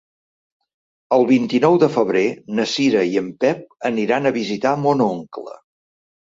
El vint-i-nou de febrer na Cira i en Pep aniran a visitar mon oncle.